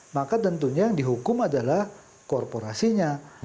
maka tentunya yang dihukum adalah korporasinya